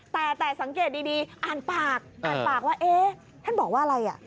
แต่สังเกตดีอ่านปากอ่านปากว่าเอ๊ะท่านบอกว่าอะไรอ่ะ